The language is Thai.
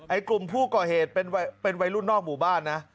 กลุ่มผู้ก่อเหตุเป็นวัยรุ่นนอกหมู่บ้านนะ